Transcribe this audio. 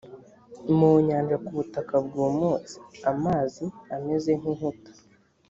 mu nyanja ku butaka bwumutse amazi ameze nk inkuta